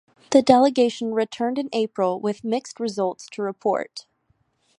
The delegation returned in April with mixed results to report.